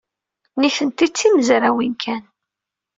Nitenti d timezrawin kan.